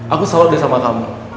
aku selalu belajar sama kamu